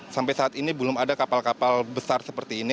sampai saat ini belum ada kapal kapal besar seperti ini